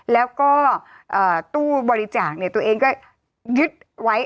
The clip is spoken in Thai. แล้วก็ตู้บริจาคตัวเองก็ยึดไว้